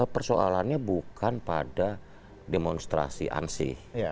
persoalannya bukan pada demonstrasi ansih